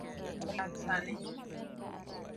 Stima olal sani